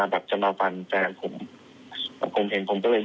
เพื่อจะฆ่าให้ตายนะครับ